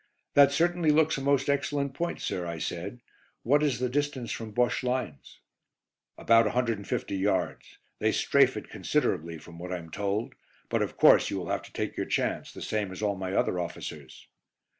"That certainly looks a most excellent point, sir," I said. "What is the distance from Bosche lines?" "About 150 yards. They 'strafe' it considerably, from what I am told; but, of course, you will have to take your chance, the same as all my other officers."